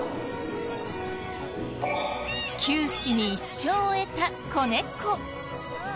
九死に一生を得た子猫。